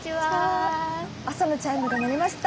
朝のチャイムが鳴りました。